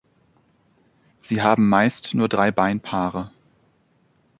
Sie haben meist nur drei Beinpaare.